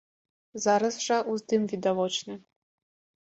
Зараз жа ўздым відавочны.